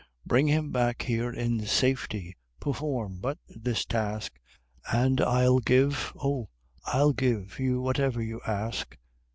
Bring him back here in safety! perform but this task, And I'll give Oh! I'll give you whatever you ask!